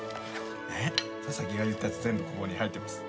佐々木が言ったやつ全部ここに入ってます。